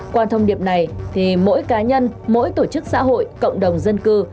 qua thông điệp này thì mỗi cá nhân mỗi tổ chức xã hội cộng đồng dân cư